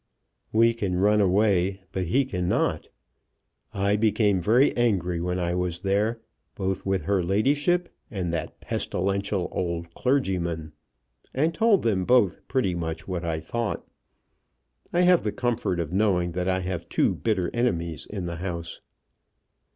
"We can run away, but he can not. I became very angry when I was there, both with her ladyship and that pestilential old clergyman, and told them both pretty much what I thought. I have the comfort of knowing that I have two bitter enemies in the house."